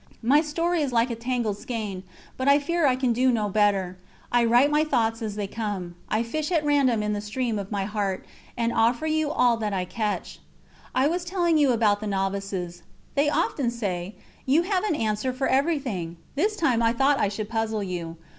My story is like a tangled skein, but I fear I can do no better. I write my thoughts as they come; I fish at random in the stream of my heart, and offer you all that I catch. I was telling you about the novices. They often say: "You have an answer for everything. This time I thought I should puzzle you.